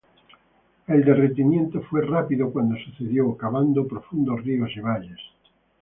El derretimiento fue rápido cuando sucedió, cavando profundos ríos y valles.